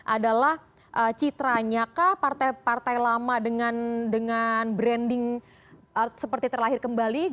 adalah citranya kah partai partai lama dengan branding seperti terlahir kembali